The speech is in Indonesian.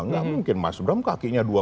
nggak mungkin mas bram kakinya dua